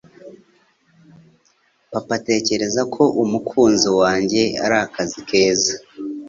Papa atekereza ko umukunzi wanjye ari akazi keza